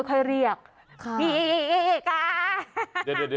พี่ค่ะ